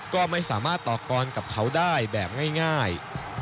ก็ไม่สามารถต่อกรกับเขาได้แบบง่าย